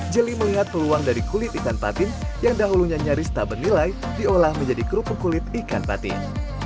jeli melihat peluang dari kulit ikan patin yang dahulunya nyaris tak bernilai diolah menjadi kerupuk kulit ikan patin